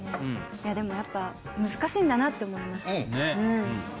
いやでもやっぱ難しいんだなって思いました